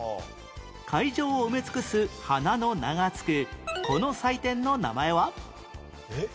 会場を埋め尽くす花の名が付くこの祭典の名前は？えっ？